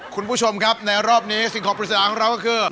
คุณผู้ชมครับในรอบนี้สิ่งของปริศนาของเราก็คือ